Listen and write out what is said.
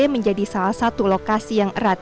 menjadi salah satu lokasi yang erat